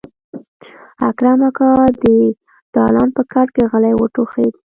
اکرم اکا د دالان په کټ کې غلی وټوخېد.